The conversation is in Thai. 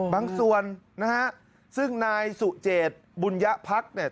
ส่วนนะฮะซึ่งนายสุเจตบุญยพักเนี่ย